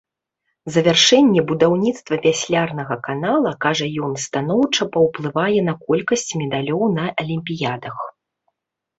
Завяршэнне будаўніцтва вяслярнага канала, кажа ён, станоўча паўплывае на колькасць медалёў на алімпіядах.